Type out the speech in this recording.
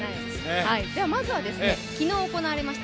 まずは昨日行われました